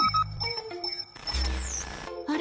あれ？